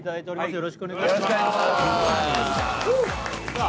よろしくお願いしますさあ